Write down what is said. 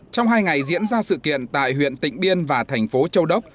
trong hai ngày diễn ra sự kiện tại huyện tịnh biên và thành phố châu đốc